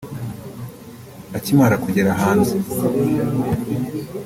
Akimara kugera hanze